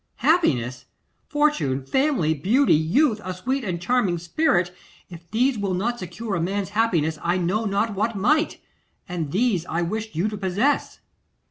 'Happiness! Fortune, family, beauty, youth, a sweet and charming spirit, if these will not secure a man's happiness, I know not what might. And these I wished you to possess.